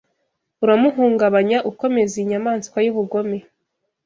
Uramuhungabanya ukomeza iyi nyamaswa y'ubugome